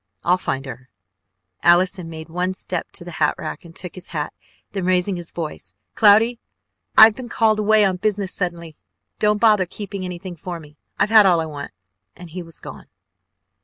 I'll find her " Allison made one step to the hat rack and took his hat, then raising his voice: "Cloudy, I've been called away on business suddenly. Don't bother keeping anything for me, I've had all I want " and he was gone.